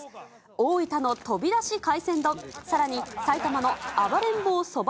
大分の飛び出し海鮮丼、さらに埼玉の暴れん坊そば